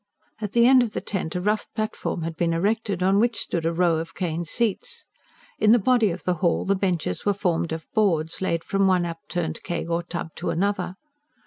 At the end of the tent a rough platform had been erected, on which stood a row of cane seats. In the body of the hall, the benches were formed of boards, laid from one upturned keg or tub to another.